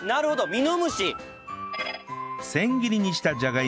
ミノムシ！